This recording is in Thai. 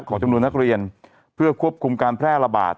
จำนวนนักเรียนเพื่อควบคุมการแพร่ระบาด